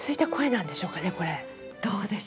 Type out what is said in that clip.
どうでしょうね。